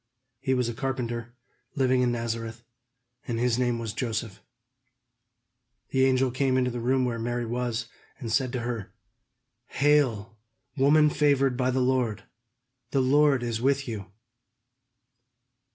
He was a carpenter, living in Nazareth, and his name was Joseph. The angel came into the room where Mary was, and said to her: "Hail, woman favored by the Lord; the Lord is with you!"